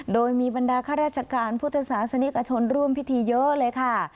โดยมีบรรดาข้าราชการพุทธศาสนิกชนร่วมพิธีเยอะเลยค่ะ